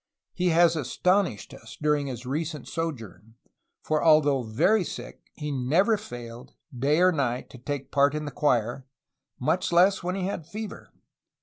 Hs has astonished us during his recent sojourn, for, al though very sick, he never failed, day or night, to take part in the choir, much less when he had fever.